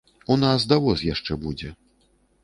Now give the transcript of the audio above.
У нас давоз яшчэ будзе.